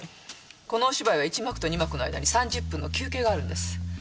このお芝居は一幕とニ幕の間に３０分の休憩があるんです。